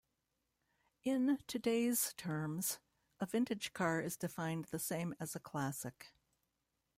In today's terms, a vintage car is defined the same as a classic.